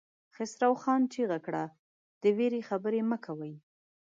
خسرو خان چيغه کړه! د وېرې خبرې مه کوئ!